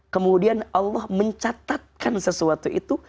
kemudian allah mencatatkan sesuatu itu